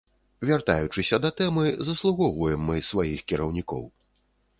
Вяртаючыся да тэмы, заслугоўваем мы сваіх кіраўнікоў.